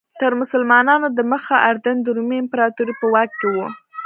تر مسلمانانو دمخه اردن د رومي امپراتورۍ په واک کې و.